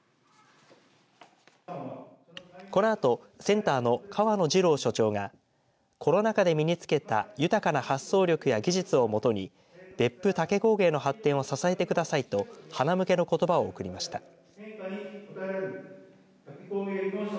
このあとセンターの河野次郎所長がコロナ禍で身につけた豊かな発想力や技術をもとに別府竹工芸の発展を支えてくださいと、はなむけのことばをおくりました。